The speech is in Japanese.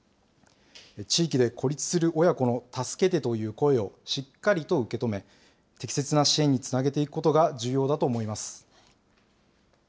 地域で孤立する親子の助けてという声をしっかりと受け止め、適切な支援につなげていくことが重要だと思います。